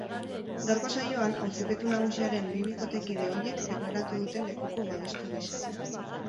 Gaurko saioan, auzipetu nagusiaren bi bikotekide ohiek deklaratu dute lekuko babestu gisa.